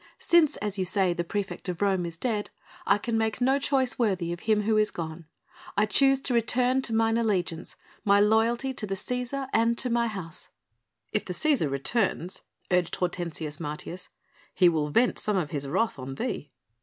"Since, as you say, the praefect of Rome is dead, I can make no choice worthy of him who is gone. I choose to return to mine allegiance, my loyalty to the Cæsar and to my House." "If the Cæsar returns," urged Hortensius Martius, "he will vent some of his wrath on thee."